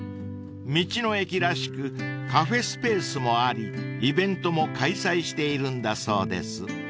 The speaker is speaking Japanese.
［道の駅らしくカフェスペースもありイベントも開催しているんだそうです］